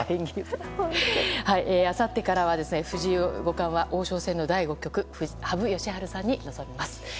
あさってからは藤井五冠は王将戦の第５局羽生善治さんに臨みます。